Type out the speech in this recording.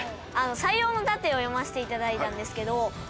『塞王の楯』を読ませていただいたんですけどその。